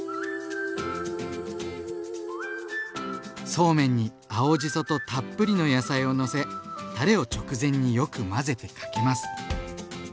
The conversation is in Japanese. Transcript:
そうめんに青じそとたっぷりの野菜をのせたれを直前によく混ぜてかけます。